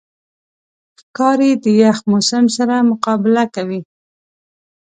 ښکاري د یخ موسم سره مقابله کوي.